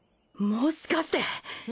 もしかして！